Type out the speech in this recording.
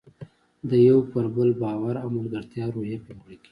د یو پر بل باور او ملګرتیا روحیه پیاوړې کیږي.